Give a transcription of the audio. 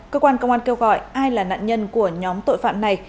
cơ quan công an kêu gọi ai là nạn nhân của nhóm tội phạm này